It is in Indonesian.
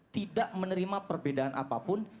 tidak menerima perbedaan apapun